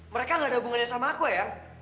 mereka gak ada hubungannya sama aku ya